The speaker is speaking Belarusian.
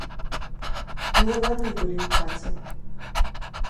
Нелады былі ў хаце.